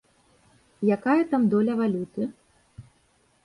Якая там доля валюты?